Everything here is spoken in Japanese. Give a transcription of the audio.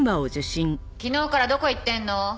昨日からどこ行ってるの？